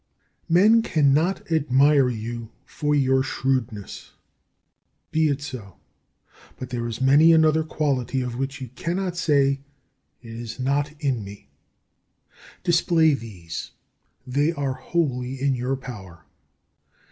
5. Men cannot admire you for your shrewdness. Be it so. But there is many another quality of which you cannot say, "It is not in me." Display these; they are wholly in your power.